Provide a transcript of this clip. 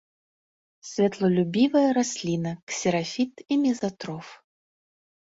Святлолюбівая расліна, ксерафіт і мезатроф.